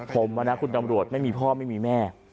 ผมนะคุณตำรวจไม่มีพ่อไม่มีแม่